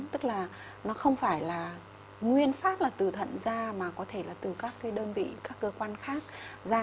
tức là nó không phải là nguyên phát là từ thận ra mà có thể là từ các cái đơn vị các cơ quan khác ra